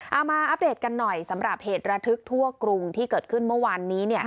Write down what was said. มาอัปเดตกันหน่อยสำหรับเหตุระทึกทั่วกรุงที่เกิดขึ้นเมื่อวานนี้